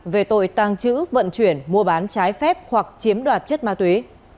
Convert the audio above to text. về tội tăng chữ vận chuyển mua bán trái phép hoặc chiếm đoạt chất ma túy